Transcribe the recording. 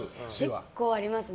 結構ありますね。